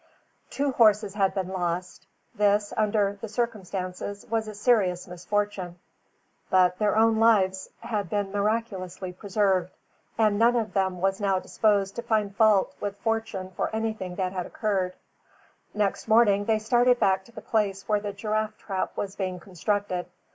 Two horses had been lost. This, under the circumstances, was a serious misfortune; but their own lives had been miraculously preserved; and none of them was now disposed to find fault with fortune for anything that had occurred. Next morning, they started back to the place where the giraffe trap was being constructed.